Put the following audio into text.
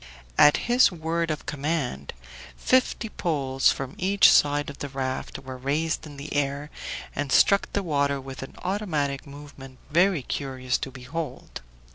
At his word of command fifty poles from each side of the raft were raised in the air, and struck the water with an automatic movement very curious to behold.